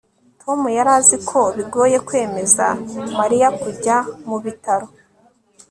tom yari azi ko bigoye kwemeza mariya kujya mu bitaro